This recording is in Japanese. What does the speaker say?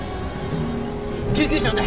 救急車呼んで！